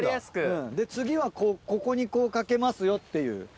で次はここにこう掛けますよっていう。